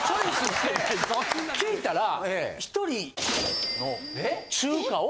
聞いたら１人の中華を。